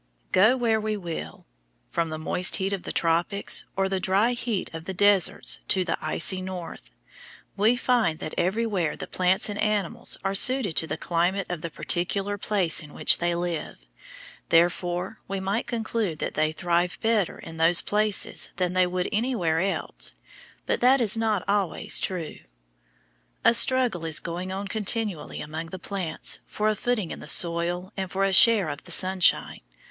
Go where we will, from the moist heat of the tropics or the dry heat of the deserts to the icy north, we find that everywhere the plants and animals are suited to the climate of the particular place in which they live. Therefore we might conclude that they thrive better in those places than they would anywhere else, but that is not always true. A struggle is going on continually among plants for a footing in the soil and for a share of the sunshine.